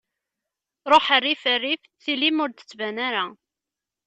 Ruḥ rrif rrif, tili-m ur d-ttban ara.